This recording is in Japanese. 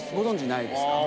ないです。